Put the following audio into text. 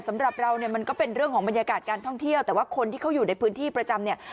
สำหรับเราเนี่ยมันก็เป็นเรื่องของบรรยากาศการท่องเที่ยวแต่ว่าคนที่เขาอยู่ในพื้นที่ประจำเนี่ย